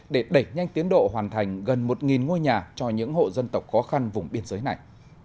để đẩy nhanh tiến độ hoàn thành gần một ngôi nhà cho những hộ dân tộc khó khăn vùng biên giới này